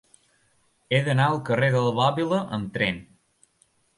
He d'anar al carrer de la Bòbila amb tren.